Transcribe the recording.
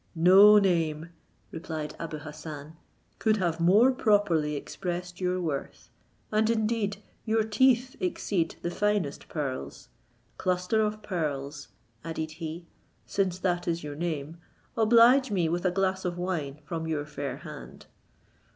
"No name," replied Abou Hassan, "could have more properly expressed your worth; and indeed your teeth exceed the finest pearls. Cluster of Pearls," added he, "since that is your name, oblige me with a glass of wine from your fair hand."